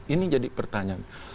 ini jadi pertanyaan